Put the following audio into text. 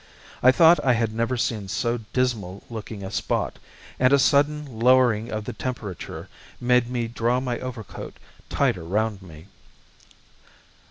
I thought I had never seen so dismal looking a spot, and a sudden lowering of the temperature made me draw my overcoat tighter round me.